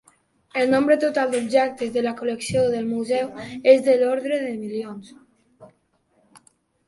El nombre total d'objectes de la col·lecció del museu és de l'ordre de milions.